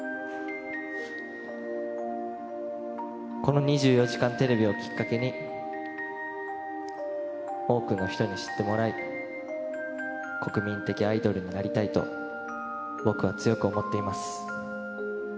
この２４時間テレビをきっかけに、多くの人に知ってもらい、国民的アイドルになりたいと、僕は強く思っています。